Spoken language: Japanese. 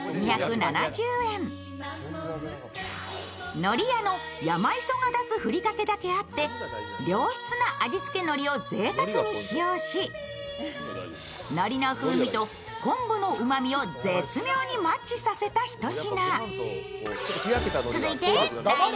のり屋のやま磯が出すふりかけだけあって、良質な味付けのリをぜいたくに使用し、のりの風味と昆布のうまみを絶妙にマッチさせたひと品。